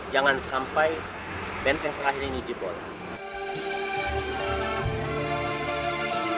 jangan sampai benteng terakhir ini jebol